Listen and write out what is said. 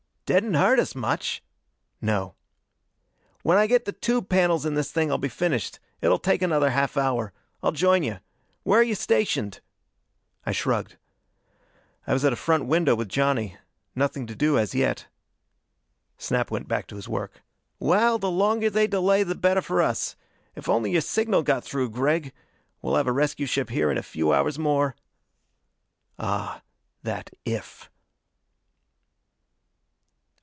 "Didn't hurt us much." "No." "When I get the tube panels in this thing I'll be finished. It'll take another half hour. I'll join you. Where are you stationed?" I shrugged. "I was at a front window with Johnny. Nothing to do as yet." Snap went back to his work. "Well, the longer they delay, the better for us. If only your signal got through, Gregg! We'll have a rescue ship here in a few hours more." Ah, that "if!"